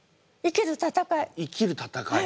生きる戦い。